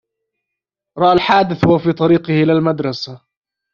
رأى الحادث وهو في طريقه إلى المدرسة.